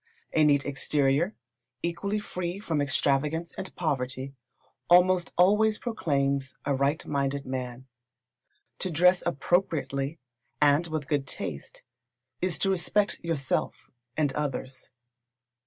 A neat exterior, equally free from extravagance and poverty, almost always proclaims a right minded man. To dress appropriately, and with good taste, is to respect yourself and others.